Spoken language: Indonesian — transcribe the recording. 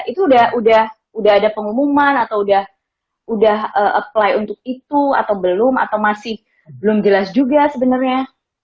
itu udah ada pengumuman atau udah apply untuk itu atau belum atau masih belum jelas juga sebenarnya